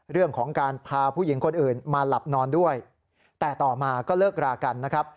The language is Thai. เรื่องของการพาผู้หญิงคนอื่นมาหลับนอนด้วยแต่ต่อมาก็เลิกรากันนะครับ